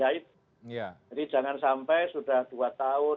jadi jangan sampai sudah dua tahun